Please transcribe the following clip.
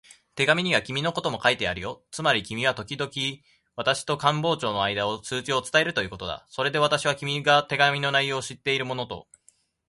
手紙には君のことも書いてあるよ。つまり君はときどき私と官房長とのあいだの通知を伝えるということだ。それで私は、君が手紙の内容を知っているものと